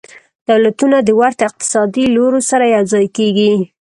دولتونه د ورته اقتصادي لورو سره یوځای کیږي